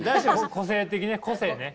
個性的ね個性ね。